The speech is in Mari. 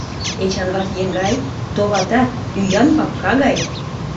Эчанват еҥгай, товатат, ӱян папка гай.